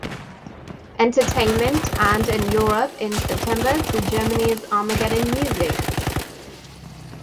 Entertainment and in Europe in September through Germany's Armageddon Music.